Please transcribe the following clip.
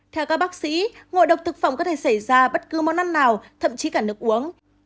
theo các bác sĩ ngộ độc thực phẩm có thể xảy ra bất cứ món ăn nào thậm chí cả nước uống